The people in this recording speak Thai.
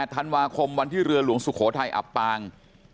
ธันวาคมวันที่เรือหลวงสุโขทัยอับปาง